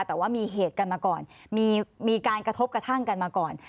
แต่ว่ามีเหตุกันมาก่อนมีการกระทบกระทั่งกันมาก่อน